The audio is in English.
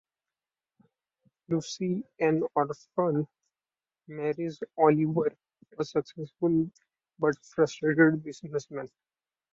Lucy, an orphan, marries Oliver, a successful but frustrated businessman.